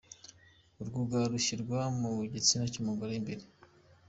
Urwugara rushyirwa mu gitsina cy’umugore imbere.